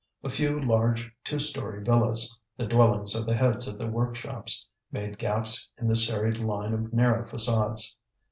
A few large two storied villas, the dwellings of the heads of the workshops, made gaps in the serried line of narrow facades.